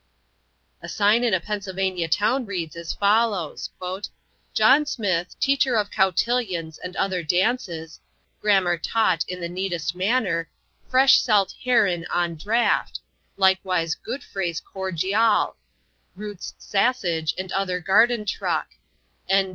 A sign in a Pennsylvania town reads as follows: "John Smith, teacher of cowtillions and other dances grammar taut in the neatest manner fresh salt herrin on draft likewise Goodfreys cordjial rutes sassage and other garden truck N.